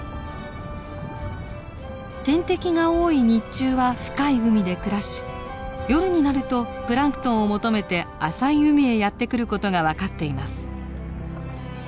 天敵が多い日中は深い海で暮らし夜になるとプランクトンを求めて浅い海へやって来る事が分かっています。